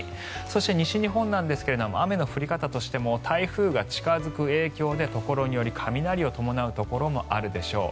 そして西日本なんですが雨の降り方としても台風が近付く影響でところにより雷を伴うところもあるでしょう。